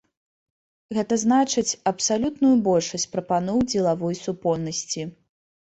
Гэта значыць, абсалютную большасць прапаноў дзелавой супольнасці.